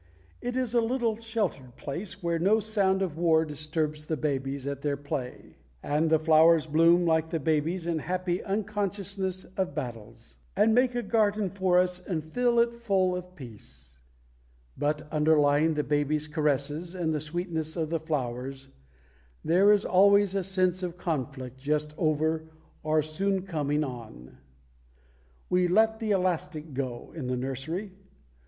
It is a little sheltered place, where no sound of war disturbs the babies at their play, and the flowers bloom like the babies in happy unconsciousness of battles, and make a garden for us and fill it full of peace; but underlying the babies' caresses and the sweetness of the flowers there is always a sense of conflict just over, or soon coming on. We "let the elastic go" in the nursery.